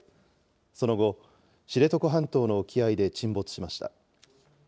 その後、知床半島の沖合で沈没しました。